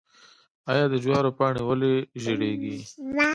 آیا د جوارو پاڼې ولې ژیړیږي؟